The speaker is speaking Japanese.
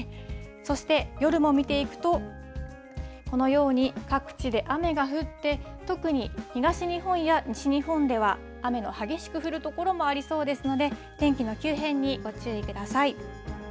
そして夜も見ていくと、このように各地で雨が降って、特に東日本や西日本では、雨の激しく降る所もありそうですので、天気の急変にご注意ください。